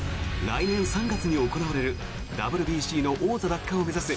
来年３月に行われるＷＢＣの王座奪還を目指す